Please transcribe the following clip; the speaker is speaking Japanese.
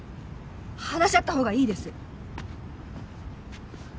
話し合ったほうがいいです。